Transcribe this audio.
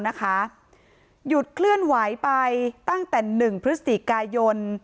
หยุดเคลื่อนไหวไปตั้งแต่๑พฤศจิกายน